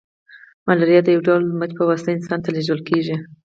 ملاریا د یو ډول مچ په واسطه انسان ته لیږدول کیږي